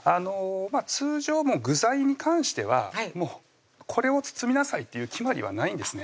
通常具材に関してはもうこれを包みなさいっていう決まりはないんですね